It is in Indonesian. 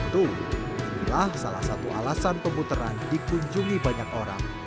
tuh inilah salah satu alasan pemutaran dikunjungi banyak orang